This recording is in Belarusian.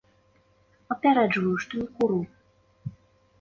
Папярэджваю, што не куру.